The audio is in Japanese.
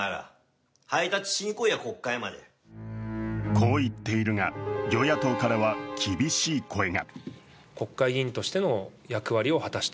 こう言っているが、与野党からは厳しい声が。